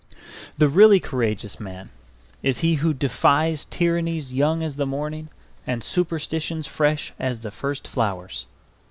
The really courageous man is he who defies tyrannies young as the morning and superstitions fresh as the first flowers.